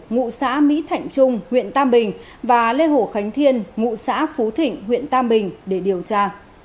ngụ xã mỹ thạnh trung huyện tam bình và lê hồ khánh thiên ngụ xã phú thịnh huyện tam bình để điều tra